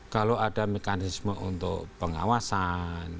kalau ada mekanisme untuk pengawasan